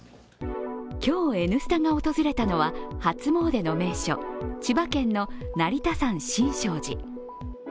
今日「Ｎスタ」が訪れたのは初詣の名所、千葉県の成田山新勝寺。